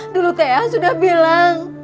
dulu tkw sudah bilang